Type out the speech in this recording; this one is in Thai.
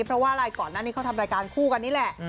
เพราะว่ารายก่อนเขาทำรายการคู่กันนี่แหละ